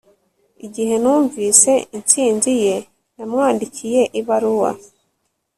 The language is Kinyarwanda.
Igihe numvise intsinzi ye namwandikiye ibaruwa